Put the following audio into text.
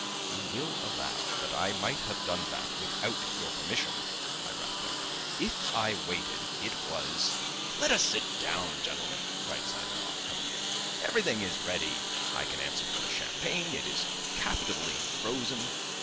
"You will allow that I might have done that without your permission," I rapped out. "If I waited, it was ..." "Let us sit down, gentlemen," cried Simonov, coming in. "Everything is ready; I can answer for the champagne; it is capitally frozen....